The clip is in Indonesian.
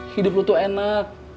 hidup lo tuh enak